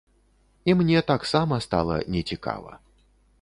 І мне таксама стала нецікава.